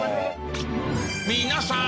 皆さん